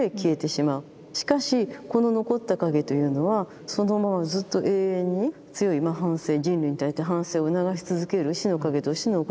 しかしこの残った影というのはそのままずっと永遠に強い反省人類に対して反省を促し続ける死の影として残る。